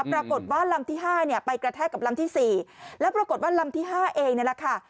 ปรากฏว่าลำที่ห้าเนี่ยไปกระแทกกับลำที่สี่แล้วปรากฏว่าลำที่ห้าเองนั่นแหละค่ะ